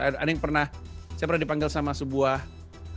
ada yang pernah saya pernah dipanggil sama sebuah harian yang sama